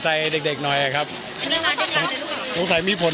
หรือว่าไม่ค่อย